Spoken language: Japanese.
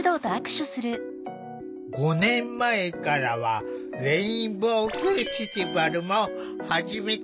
５年前からはレインボーフェスティバルも始めた。